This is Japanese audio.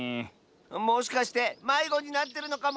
もしかしてまいごになってるのかも。